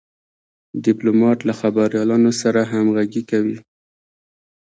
ډيپلومات له خبریالانو سره همږغي کوي.